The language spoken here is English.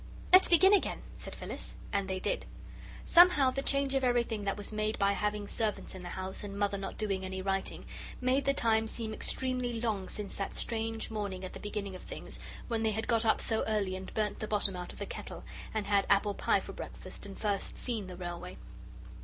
"Let's begin again," said Phyllis. And they did. Somehow the change of everything that was made by having servants in the house and Mother not doing any writing, made the time seem extremely long since that strange morning at the beginning of things, when they had got up so early and burnt the bottom out of the kettle and had apple pie for breakfast and first seen the Railway.